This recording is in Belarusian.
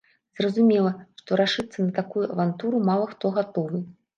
Зразумела, што рашыцца на такую авантуру мала хто гатовы.